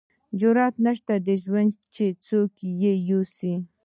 اجازت نشته د ژوند چې څوک یې یوسي